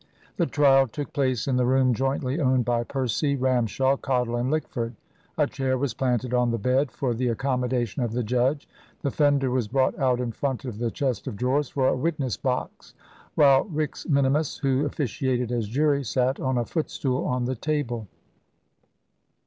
The trial took place in the room jointly owned by Percy, Ramshaw, Cottle, and Lickford. A chair was planted on the bed for the accommodation of the judge. The fender was brought out in front of the chest of drawers for a witness box; while Rix minimus, who officiated as jury, sat on a footstool on the table.